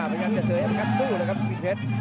พยายามจะเจอเอ็ดกันสู้เลยครับกิ๊กเฮ็ด